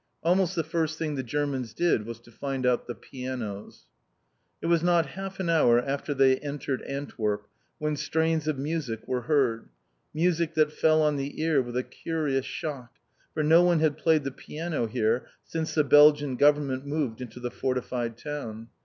Almost the first thing the Germans did was to find out the pianos. It was not half an hour after they entered Antwerp when strains of music were heard, music that fell on the ear with a curious shock, for no one had played the piano here since the Belgian Government moved into the fortified town.